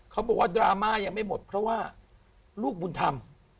เขาบอกว่าดราม่ายังไม่หมดเพราะว่าลูกบุญธรรม